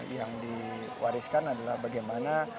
yang diwariskan adalah bagaimana